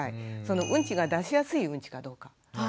うんちが出しやすいうんちかどうか。